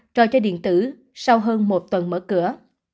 trò chơi điện tử sau hơn một tuần mở cửa